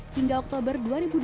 hingga oktober dua ribu dua puluh